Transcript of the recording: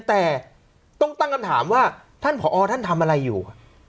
แต่ต้องตั้งคำถามว่าท่านผอท่านทำอะไรอยู่